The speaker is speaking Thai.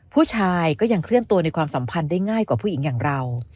ผู้ชายก็ยังเคลื่อนตัวในความสัมพันธ์ได้ง่ายกว่าผู้หญิงอย่างเรา